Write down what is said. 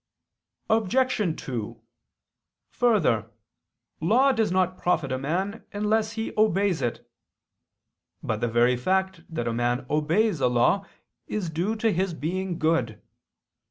Obj. 2: Further, Law does not profit a man unless he obeys it. But the very fact that a man obeys a law is due to his being good.